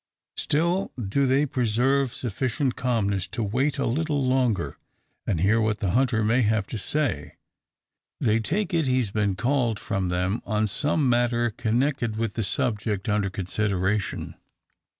Still do they preserve sufficient calmness to wait a little longer, and hear what the hunter may have to say. They take it, he has been called from them on some matter connected with the subject under consideration.